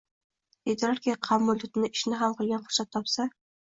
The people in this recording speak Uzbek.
Deydilarki, qavmi Lutni ishini ham qilgan fursat topsa.